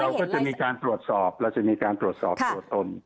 เราก็จะมีการตรวจสอบเราจะมีการตรวจสอบตัวตน